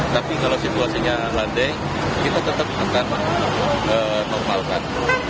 tapi kalau situasinya landai kita tetap akan normalkan